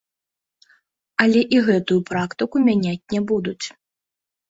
Але і гэтую практыку мяняць не будуць.